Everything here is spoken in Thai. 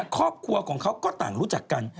ครอบครัวของเขาก็ต่างรู้จักกัน